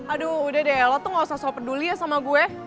aduh udah deh lo tuh gak usah soal peduli ya sama gue